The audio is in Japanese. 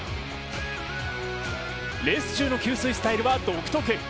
レース中の給水スタイルは独特。